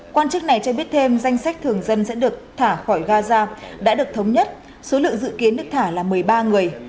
quan chức này cho biết thêm danh sách thường dân sẽ được thả khỏi gaza đã được thống nhất số lượng dự kiến được thả là một mươi ba người